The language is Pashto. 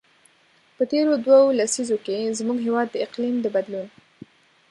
په تېرو دوو لسیزو کې، زموږ هېواد د اقلیم د بدلون.